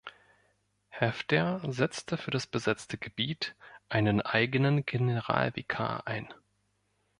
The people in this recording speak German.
Hefter setzte für das besetzte Gebiet einen eigenen Generalvikar ein.